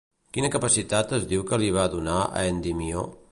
Quina capacitat es diu que li va donar a Endimió?